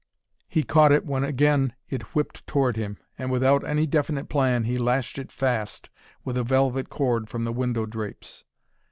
He caught it when again it whipped toward him, and, without any definite plan, he lashed it fast with a velvet cord from the window drapes.